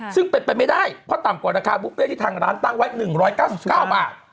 ซึ่งเป็นไปไม่ได้เพราะต่ำกว่าราคาบุฟเฟ่ที่ทางร้านตั้งไว้๑๙๙บาท